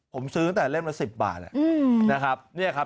ผมซื้นตั้งแต่เร่งละ๑๐บาทอะ